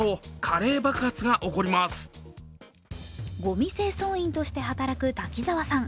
ゴミ清掃員として働く滝沢さん